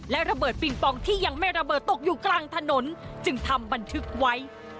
และระเบิดปิงปองที่ยังไม่ระเบิดตกอยู่กลางถนนจึงทำบันทึกไว้